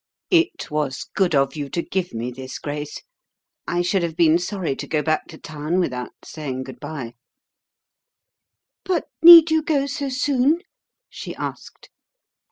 It was good of you to give me this grace I should have been sorry to go back to town without saying good bye." "But need you go so soon?" she asked.